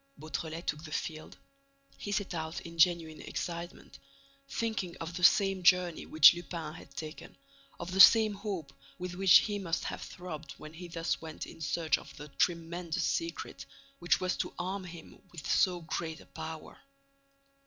Beautrelet took the field. He set out in genuine excitement, thinking of the same journey which Lupin had taken, of the same hopes with which he must have throbbed when he thus went in search of the tremendous secret which was to arm him with so great a power.